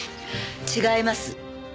違います。